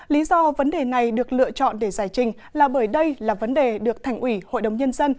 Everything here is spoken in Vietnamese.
lý do vấn đề này được lựa chọn để giải trình là bởi đây là vấn đề được thành ủy hội đồng nhân dân